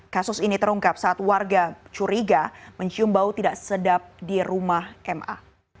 kasus ini terungkap saat warga curiga mencium bau tidak sedap di rumah ma